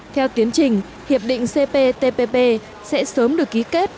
theo tiến trình hiệp định cptpp sẽ sớm được ký kết